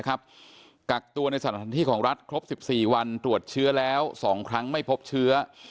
กักตัวในสถานที่ของรัฐครบ๑๔วันตรวจเชื้อแล้ว๒ครั้งไม่พบเชื้อ